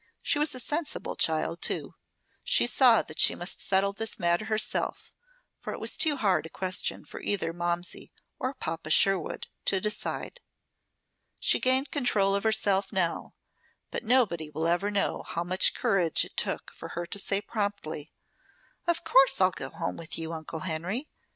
She was a sensible child, too. She saw that she must settle this matter herself, for it was too hard a question for either Momsey or Papa Sherwood to decide. She gained control of herself now; but nobody will ever know how much courage it took for her to say, promptly: "Of course I will go home with you, Uncle Henry.